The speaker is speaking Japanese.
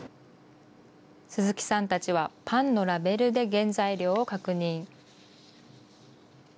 鈴木さんたちはパンのラベルで原材料を確認。